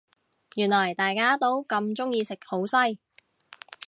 原來大家都咁鍾意食好西